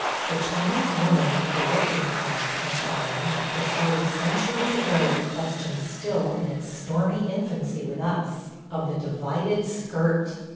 The Chinese woman of the working class, I find, decided centuries ago the question still in its stormy infancy with us – of the divided skirt.